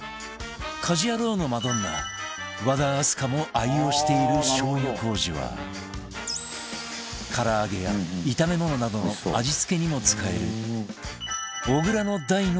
『家事ヤロウ！！！』のマドンナ和田明日香も愛用しているしょう油麹は唐揚げや炒め物などの味付けにも使える